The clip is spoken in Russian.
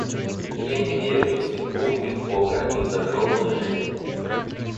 Я не верю ни в судьбу, ни в бога, ни в загробную жизнь.